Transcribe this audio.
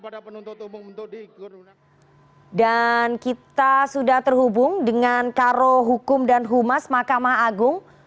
dan kita sudah terhubung dengan karo hukum dan humas makamah agung